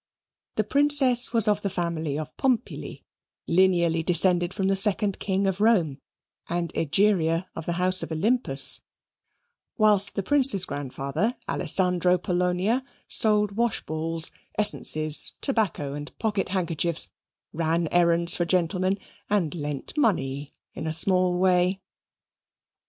The Princess was of the family of Pompili, lineally descended from the second king of Rome, and Egeria of the house of Olympus, while the Prince's grandfather, Alessandro Polonia, sold wash balls, essences, tobacco, and pocket handkerchiefs, ran errands for gentlemen, and lent money in a small way.